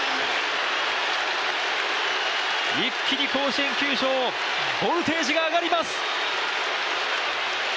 一気に甲子園球場ボルテージが上がります。